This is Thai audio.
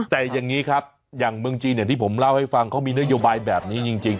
แต่อย่างนี้ครับอย่างเมืองจีนอย่างที่ผมเล่าให้ฟังเขามีนโยบายแบบนี้จริง